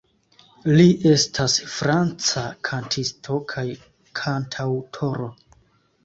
Li estas franca kantisto kaj kantaŭtoro.